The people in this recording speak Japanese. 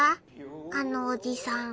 あのおじさん。